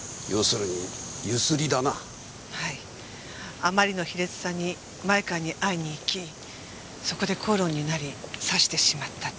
あまりの卑劣さに前川に会いに行きそこで口論になり刺してしまったと。